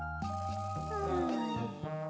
うん。